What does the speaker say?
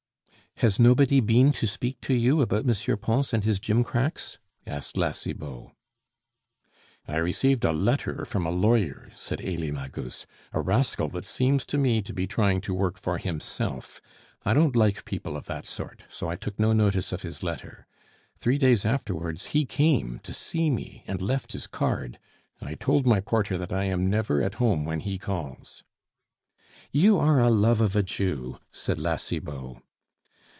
"Has nobody been to speak to you about M. Pons and his gimcracks?" asked La Cibot. "I received a letter from a lawyer," said Elie Magus, "a rascal that seems to me to be trying to work for himself; I don't like people of that sort, so I took no notice of his letter. Three days afterwards he came to see me, and left his card. I told my porter that I am never at home when he calls." "You are a love of a Jew," said La Cibot.